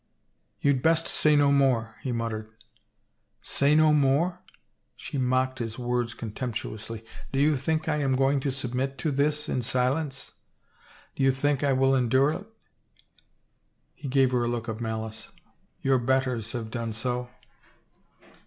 " You'd best say no more," he muttered. " Say no more ?" She mocked his words contemptu ously. " Do you think I am going to submit to this in silence? Do you think I will endure it?*' He gave her a look of malice. "Your betters have done so."